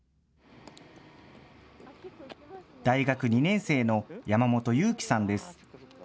大学２年生の山本優希さんです。